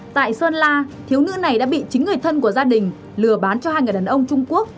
tại sơn la thiếu nữ này đã bị chính người thân của gia đình lừa bán cho hai người đàn ông trung quốc